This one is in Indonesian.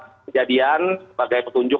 kejadian sebagai petunjuk